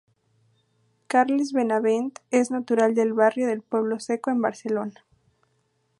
Carles Benavent es natural del barrio del Pueblo Seco en Barcelona.